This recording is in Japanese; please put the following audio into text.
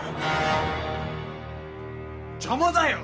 邪魔だよ！